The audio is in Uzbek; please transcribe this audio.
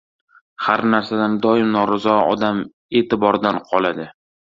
• Har narsadan doim norizo odam e’tibordan qoladi.